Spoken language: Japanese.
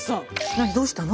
何どうしたの？